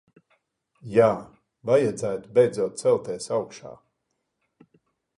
Jā, vajadzētu beidzot celties augšā.